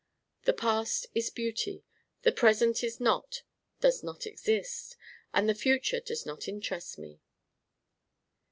The past is beauty. The present is not, does not exist. And the future does not interest me."